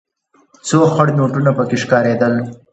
څو خړ نوټونه پکې ښکارېدل.